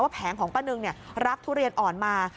แผงของป้านึงรับทุเรียนอ่อนมา